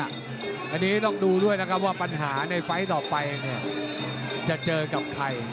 อันนี้ต้องดูด้วยนะครับว่าปัญหาในไฟล์ต่อไปเนี่ยจะเจอกับใคร